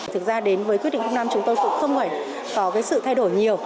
thực ra đến với quyết định hôm nay chúng tôi cũng không phải có cái sự thay đổi nhiều